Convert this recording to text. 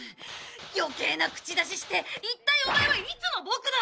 余計な口出しして一体オマエはいつのボクだ？